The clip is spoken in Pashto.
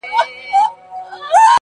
خلک د ازادۍ مجسمې په اړه خبري کوي ډېر-